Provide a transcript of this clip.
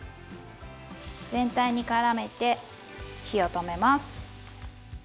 全体に絡めて火を止めます。